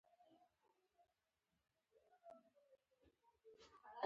خر په دې باور و چې ټول کلي د ده لپاره دی.